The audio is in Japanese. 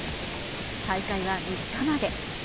大会は３日まで。